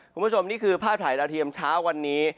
คุณผู้ชมนี่คือภาพถ่ายดาวเทียมเช้าวันนี้